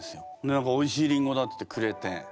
何かおいしいりんごだっていってくれて。